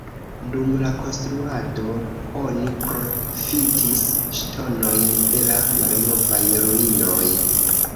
Dum la konstruado oni profitis ŝtonojn de la malnovaj ruinoj.